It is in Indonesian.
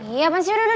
iya pasti yaudah udah